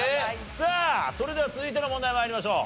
さあそれでは続いての問題参りましょう。